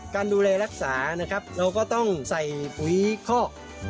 การดูแลรักษานะครับเราก็ต้องใส่ปุ๋ยคอก